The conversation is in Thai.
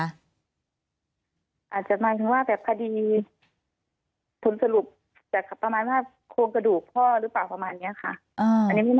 อาจจะหมายถึงว่าแบบคดีผลสรุปจากประมาณว่าโครงกระดูกพ่อหรือเปล่าประมาณนี้ค่ะ